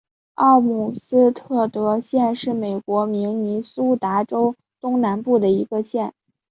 奥姆斯特德县是美国明尼苏达州东南部的一个县。